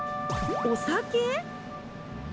お酒？